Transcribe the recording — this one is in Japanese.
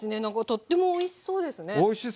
とってもおいしそうですね。